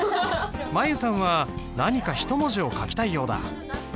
舞悠さんは何か１文字を書きたいようだ。